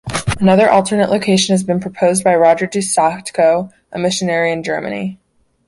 Another alternate location has been proposed by Rodger Dusatko, a missionary in Germany.